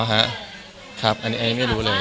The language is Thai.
อ๋อฮะครับอันนี้ไม่รู้เลย